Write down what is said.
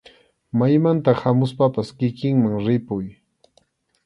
Maymanta hamuspapas kikinman ripuy.